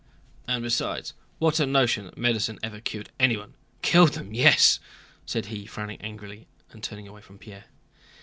And besides, what a notion that medicine ever cured anyone! Killed them, yes!" said he, frowning angrily and turning away from Pierre.